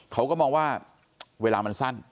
เขาก็มองว่าเวลามันสั้น